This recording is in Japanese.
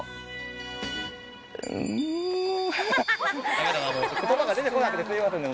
ダメだな言葉が出てこなくてすいませんね